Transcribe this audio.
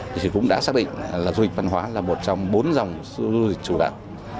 thì cũng đã xác định là du lịch văn hóa là một trong bốn dòng du lịch chủ đạo